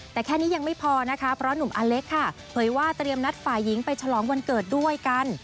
แต่แค่นี้ยังไม่พอนะคะเพราะหนุ่มอเล็กค่ะเผยว่าเตรียมนัดฝ่ายหญิงไปฉลองวันเกิดด้วยกัน